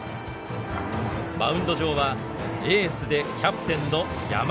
マウンド上はエースでキャプテンの山田。